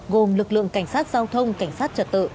gồm lực lượng cảnh sát giao thông cảnh sát trật tự